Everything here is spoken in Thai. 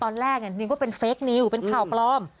ตอนแรกนึกว่าเป็นเฟคนิวเป็นข่าวปลอม